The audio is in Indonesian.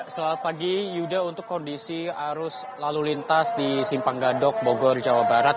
selamat pagi yuda untuk kondisi arus lalu lintas di simpang gadok bogor jawa barat